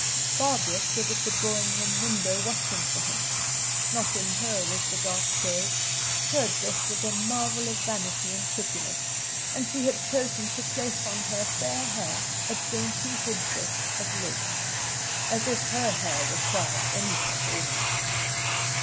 Barbara stood at the drawing room window watching for him. Not in her was the dark shade; her dress was a marvel of vanity and prettiness, and she had chosen to place on her fair hair a dainty headdress of lace as if her hair required any such ornament!